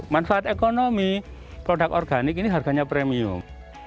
manfaat ekonomi produk organik ini harganya premium